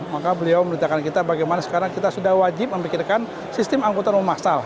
maka beliau menitikan kita bagaimana sekarang kita sudah wajib memikirkan sistem angkutan umum massal